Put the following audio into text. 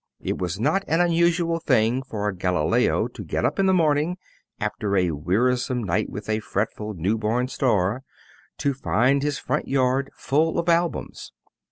It was not an unusual thing for Galileo to get up in the morning, after a wearisome night with a fretful, new born star, to find his front yard full of albums.